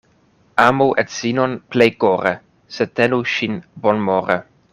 Amu edzinon plej kore, sed tenu ŝin bonmore.